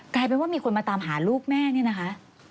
กลายเป็นว่ามีคนมาตามหาลูกแม่เนี่ยนะคะ